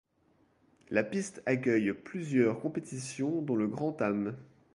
La piste accueille plusieurs compétitions dont le Grand-Am.